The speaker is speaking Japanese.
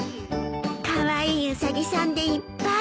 カワイイウサギさんでいっぱい。